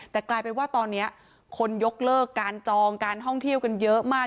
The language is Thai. แต่กลายเป็นว่าตอนนี้คนยกเลิกการจองการท่องเที่ยวกันเยอะมาก